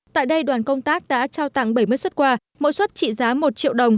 tại đây đoàn công tác đã trao tặng bảy mươi xuất quà mỗi xuất trị giá một triệu đồng